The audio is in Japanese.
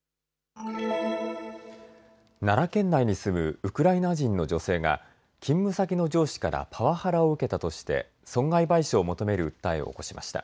奈良県内に住むウクライナ人の女性が勤務先の上司からパワハラを受けたとして損害賠償を求める訴えを起こしました。